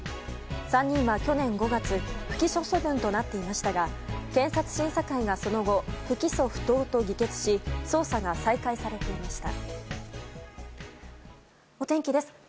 ３人は去年５月不起訴処分となっていましたが検察審査会がその後不起訴不当と議決し捜査が再開されていました。